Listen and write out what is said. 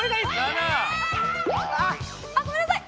７。あっごめんなさい！